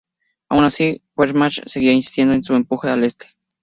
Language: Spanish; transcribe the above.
Aun así, la Wehrmacht seguía insistiendo en su empuje al este.